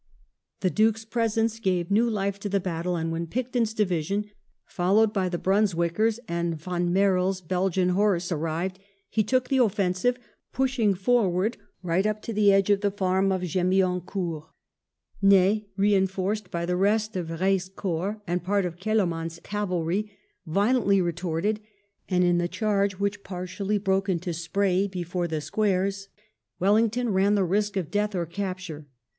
The Duke's presence gave new life to the battle, and when Picton's division, followed by the Brunswickers and van Merle's Belgian horse, arrived, he took the offensive, pushing forward right up to the edge of the farm of Gemion court Ney, reinforced by the rest of Eeille's corps and part of Kellerman's cavalry, violently retorted, and in the charge, which partially broke into spray before the squares, Wellington ran the risk of death or capture.